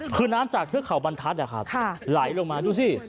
คือน้ำที่เขาบรรทัดไหลลงมาดูสิ